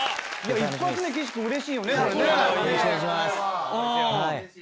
１発目岸君うれしいよね。